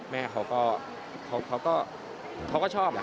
แม่เขาก็ชอบนะครับเขาก็ชอบเฟย์